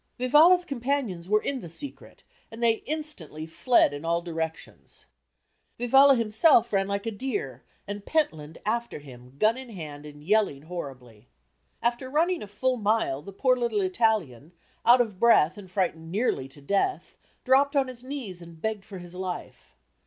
Vivalla's companions were in the secret, and they instantly fled in all directions. Vivalla himself ran like a deer and Pentland after him, gun in hand and yelling horribly. After running a full mile the poor little Italian, out of breath and frightened nearly to death, dropped on his knees and begged for his life.